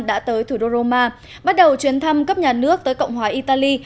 đã tới thủ đô roma bắt đầu chuyến thăm cấp nhà nước tới cộng hòa italy